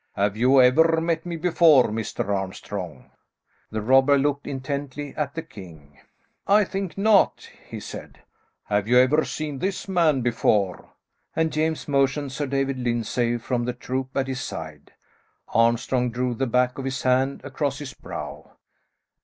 Have you ever met me before, Mr. Armstrong?" The robber looked intently at the king. "I think not," he said. "Have you ever seen this man before?" and James motioned Sir David Lyndsay from the troop at his side. Armstrong drew the back of his hand across his brow.